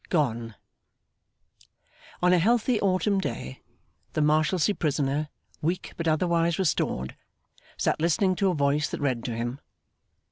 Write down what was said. Gone On a healthy autumn day, the Marshalsea prisoner, weak but otherwise restored, sat listening to a voice that read to him.